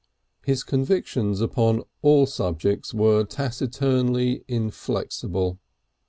His convictions upon all subjects were taciturnly inflexible.